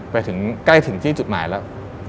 ไปถึงใกล้ถึงที่จุดหมายแล้ว